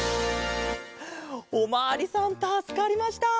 おまわりさんたすかりました。